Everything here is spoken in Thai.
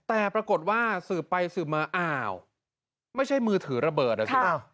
แต่ปรากฏว่าสืบไปสืบมาอ้าวไม่ใช่มือถือระเบิดนะสิ